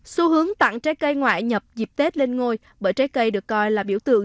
xu hướng tặng trái cây ngoại nhập dịp tết lên ngôi bởi trái cây được coi là biểu tượng